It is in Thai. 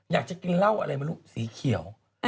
อยากจะกินเหล้าอะไรไม่รู้สีเขียว